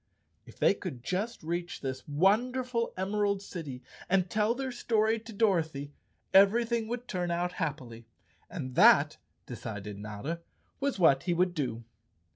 If they could just reach 180 _ Chapter Thirteen this wonderful Emerald City and tell their story to Dorothy, everything would turn out happily. And that, decided Notta, was what he would do.